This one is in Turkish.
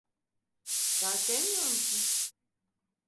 Sen sevmiyor musun?